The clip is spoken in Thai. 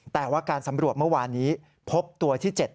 แต่ว่าการสำรวจเมื่อวานนี้พบตัวที่๗